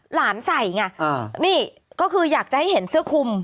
หลานใส่อย่างนี้ก็คืออยากจะให้เห็นเสื้อคุม